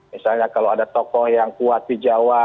misalnya kalau ada tokoh yang kuat di jawa